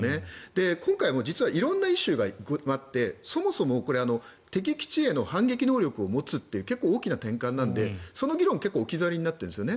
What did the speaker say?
今回も実は色んなイシューがあってそもそも敵基地への反撃能力を持つという結構大きな転換なのでその議論が置き去りになっているんですよね。